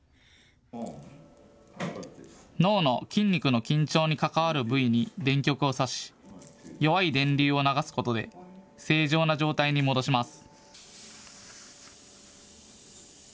脳の筋肉の緊張に関わる部位に電極を刺し弱い電流を流すことで正常な状態に戻します。